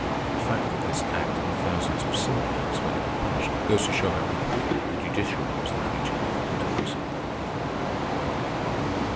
The fact that this act, and thousands of similar acts, went unpunished, goes to show how completely the judiciary was the creature of the Plutocracy.